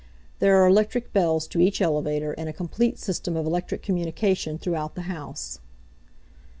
There are electric bells to each elevator, and a complete system of electric communication throughout the house.